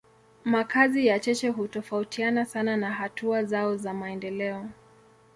Makazi ya cheche hutofautiana sana na hatua zao za maendeleo.